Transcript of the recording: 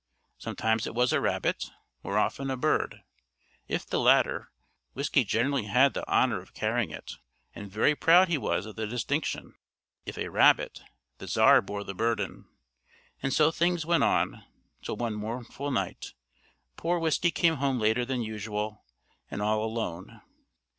Sometimes it was a rabbit, more often a bird if the latter, Whiskey generally had the honour of carrying it, and very proud he was of the distinction; if a rabbit, the Czar bore the burden. And so things went on, till one mournful night, poor Whiskey came home later than usual, and all alone.